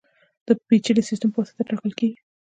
د پېچلي سیستم په واسطه ټاکل کېږي.